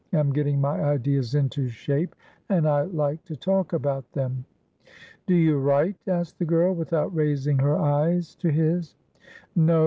I'm getting my ideas into shape, and I like to talk about them." "Do you write?" asked the girl, without raising her eyes to his. "No.